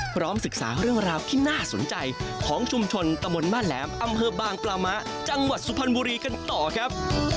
พร้อมศึกษาเรื่องราวที่น่าสนใจของชุมชนตะบนบ้านแหลมอำเภอบางปลามะจังหวัดสุพรรณบุรีกันต่อครับ